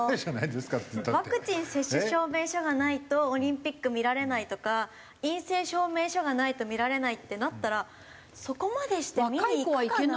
ワクチン接種証明書がないとオリンピック見られないとか陰性証明書がないと見られないってなったらそこまでして見に行くかな。